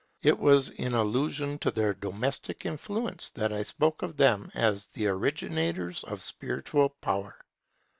It was in allusion to their domestic influence that I spoke of them as the originators of spiritual power.